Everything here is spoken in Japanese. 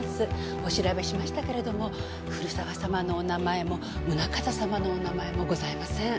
お調べしましたけれども古沢様のお名前も宗形様のお名前もございません。